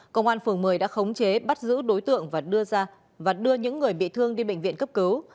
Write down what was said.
công an phường một mươi đã khống chế bắt giữ đối tượng và đưa những người bị thương đi bệnh viện cấp cứu